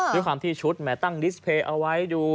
ด้วยความที่ชุดไม่ตั้งนิสเพลล์เอาไว้